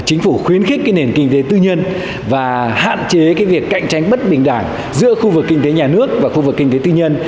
chính phủ khuyến khích nền kinh tế tư nhân và hạn chế việc cạnh tranh bất bình đẳng giữa khu vực kinh tế nhà nước và khu vực kinh tế tư nhân